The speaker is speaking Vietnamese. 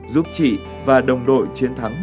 giúp chị và đồng đội chiến thắng